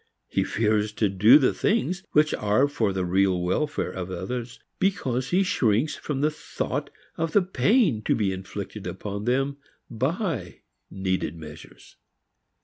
He fears to do the things which are for the real welfare of others because he shrinks from the thought of the pain to be inflicted upon them by needed measures.